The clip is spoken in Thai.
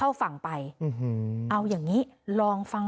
แล้วห้าป้าก็ลาไปหน้าประตู